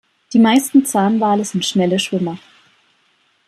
Die meisten Zahnwale sind schnelle Schwimmer.